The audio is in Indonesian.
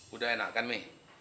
udah enak kan mi